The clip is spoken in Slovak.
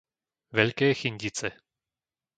Veľké Chyndice